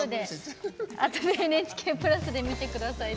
あとで「ＮＨＫプラス」で見てください。